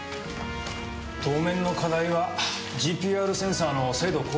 当面の課題はＧＰＲセンサーの精度向上だな。